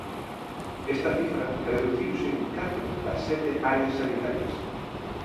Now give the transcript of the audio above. Esta cifra reduciuse en catro das sete áreas sanitarias.